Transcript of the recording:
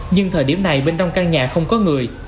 nhưng thời điểm này bên trong căn nhà không có người